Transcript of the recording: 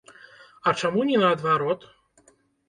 А чаму не наадварот?